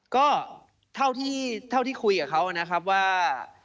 ก็เท่าที่คุยกับเขานะครับว่า